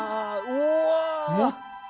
うわ！